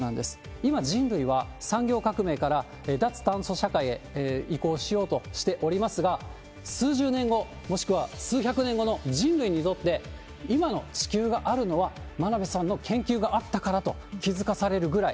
今、人類は産業革命から脱炭素社会へ移行しようとしておりますが、数十年後、もしくは数百年後の人類にとって、今の地球があるのは真鍋さんの研究があったからと気付かされるぐらい。